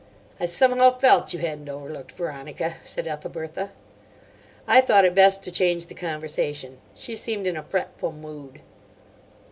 "I somehow felt you hadn't overlooked Veronica," said Ethelbertha. I thought it best to change the conversation. She seemed in a fretful mood.